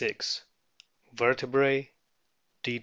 Vertebrae: D.